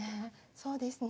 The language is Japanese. そうですね。